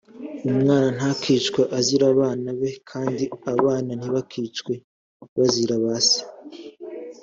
umwana ntakicwe azira abana be kandi abana ntibakicwe bazira ba se